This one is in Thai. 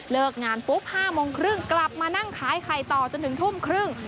เลิกงานปุ๊บ๕๓๐กลับมานั่งขายไข่ต่อจนถึงทุ่มครึ่ง